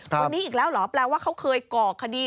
คนนี้อีกแล้วเหรอแปลว่าเขาเคยก่อคดี